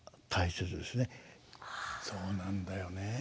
そうなんだよね。